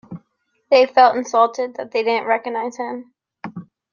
He felt insulted that they didn't recognise him.